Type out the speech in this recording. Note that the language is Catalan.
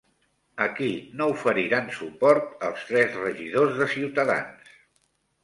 A qui no oferiran suport els tres regidors de Ciutadans?